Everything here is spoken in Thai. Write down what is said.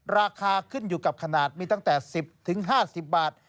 ราคาขึ้นอยู่กับขนาดมีตั้งแต่๑๐๕๐บาท